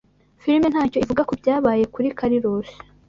filime ntacyo ivuga kubyabaye kuri Carilosi